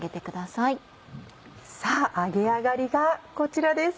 さぁ揚げ上がりがこちらです。